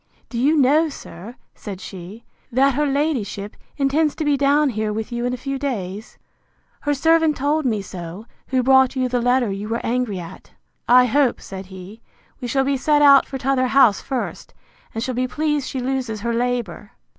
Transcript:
Do you know, sir, said she, that her ladyship intends to be down here with you in a few days? Her servant told me so, who brought you the letter you were angry at. I hope, said he, we shall be set out for t'other house first; and shall be pleased she loses her labour.